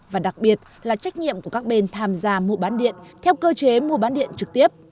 và đặc biệt là trách nhiệm của các bên tham gia mua bán điện theo cơ chế mua bán điện trực tiếp